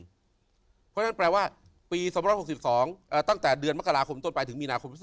เพราะฉะนั้นแปลว่าปี๒๖๒ตั้งแต่เดือนมกราคมต้นไปถึงมีนาคม๒๕๖